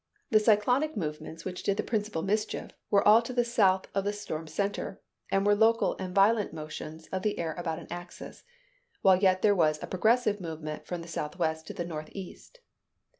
The cyclonic movements which did the principal mischief, were all to the south of the storm center, and were local and violent motions of the air about an axis, while yet there was a progressive movement from southwest to northeast.